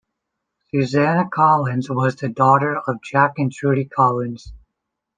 Suzanne Collins was the daughter of Jack and Trudy Collins.